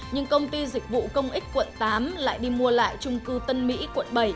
nhưng công ty dịch vụ công ích quận tám lại đi mua lại trung cư tân mỹ quận bảy